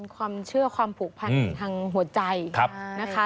ความเชื่อความผูกพันทางหัวใจนะคะ